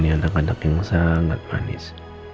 ini anak anak yang sangat manis